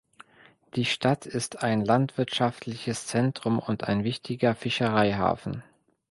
Die Stadt ist ein landwirtschaftliches Zentrum und ein wichtiger Fischereihafen.